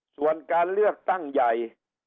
ส่วนการเลือกตั้งใหญ่